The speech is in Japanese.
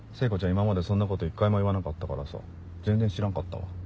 今までそんなこと一回も言わなかったからさ全然知らんかったわ。